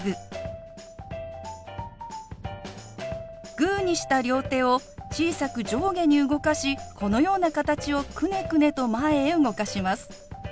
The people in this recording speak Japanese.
グーにした両手を小さく上下に動かしこのような形をくねくねと前へ動かします。